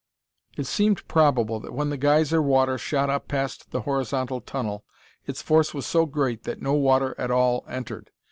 It seemed probable that when the geyser water shot up past the horizontal tunnel, its force was so great that no water at all entered.